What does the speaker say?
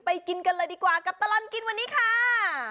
กินกันเลยดีกว่ากับตลอดกินวันนี้ค่ะ